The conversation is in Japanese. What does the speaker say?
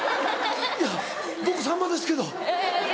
僕さんまですけど？